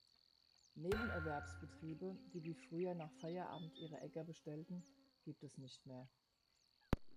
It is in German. Nebenerwerbsbetriebe, die wie früher nach Feierabend ihre Äcker bestellten, gibt es nicht mehr.